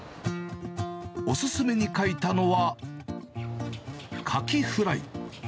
お勧めに書いたのは、カキフライ。